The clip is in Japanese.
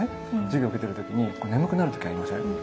授業受けてる時に眠くなる時ありません？